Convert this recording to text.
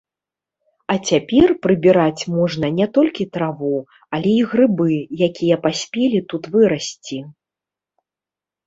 А цяпер прыбіраць можна не толькі траву, але і грыбы, якія паспелі тут вырасці.